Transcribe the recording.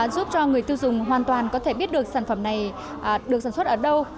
giúp cho người tiêu dùng hoàn toàn có thể biết được sản phẩm này được sản xuất ở đâu